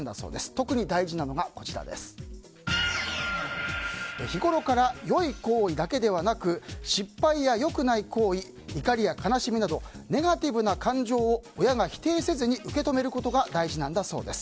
特に大事なのが日ごろから良い行為だけではなく失敗や良くない行為怒りや悲しみなどネガティブな感情を親が否定せずに受け止めることが大事なんだそうです。